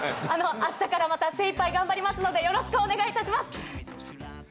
あしたからまた精いっぱい頑張りますので、よろしくお願いいたします。